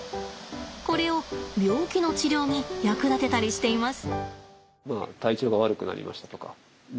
これを病気の治療に役立てたりしています。